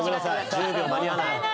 １０秒間に合わない。